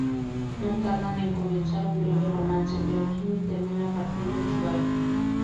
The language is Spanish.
No tardan en comenzar un breve romance, pero Jimmy termina partiendo en su barco.